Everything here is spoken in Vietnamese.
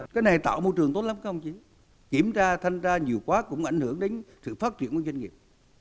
cái này tạo môi trường tốt lắm các ông chí kiểm tra thanh tra nhiều quá cũng ảnh hưởng đến sự phát triển của doanh nghiệp